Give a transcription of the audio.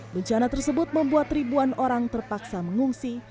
bencana tersebut membuat ribuan orang terpaksa mengungsi